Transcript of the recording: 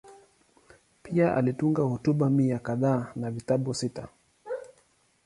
Pia alitunga hotuba mia kadhaa na vitabu sita.